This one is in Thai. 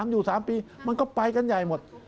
อยู่๓ปีมันก็ไปกันใหญ่หมด